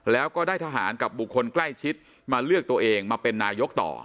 แล้วก็ได้ทหารกับบุคคลใกล้ชิดมาเลือกตัวเองมาเป็นนายกต่อ